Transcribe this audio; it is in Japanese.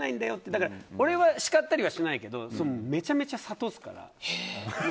だから俺は叱ったりはしないけどめちゃめちゃ諭すから。